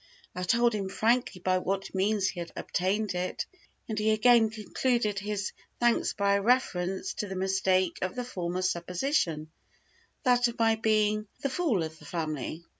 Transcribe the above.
I told him frankly by what means he had obtained it, and he again concluded his thanks by a reference to the mistake of the former supposition, that of my being "the fool of the family."